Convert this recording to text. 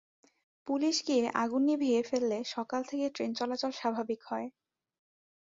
Police গিয়ে আগুন নিভিয়ে ফেললে সকাল থেকে ট্রেন চলাচল স্বাভাবিক হয়।